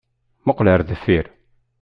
Muqqel ar deffir!